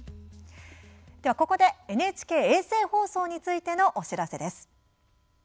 ここでＮＨＫ衛星放送についてのお知らせです。